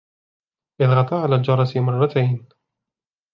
اضغطا على الجرس مرتين.